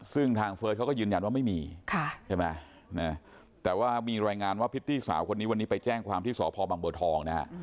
ซึ่งทางเฟิร์สเขาก็ยืนยันว่าไม่มีใช่ไหมแต่ว่ามีรายงานว่าพริตตี้สาวคนนี้วันนี้ไปแจ้งความที่สพบังบัวทองนะฮะ